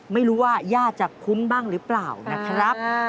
ไม่รู้ว่าญาติจะคุ้มบ้างหรือเปล่านะครับ